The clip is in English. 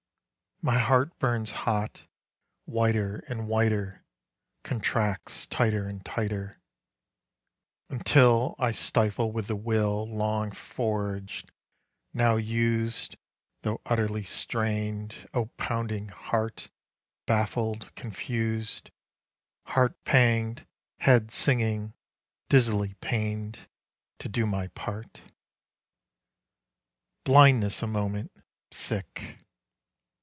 My heart burns hot, whiter and whiter, Contracts tighter and tighter, Until I stifle with the will Long forged, now used (Though utterly strained) O pounding heart, Baffled, confused, Heart panged, head singing, dizzily pained To do my part. Blindness a moment. Sick.